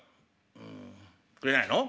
「うんくれないの？